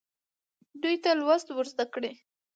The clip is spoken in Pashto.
دوی ته لوست ورزده کړئ.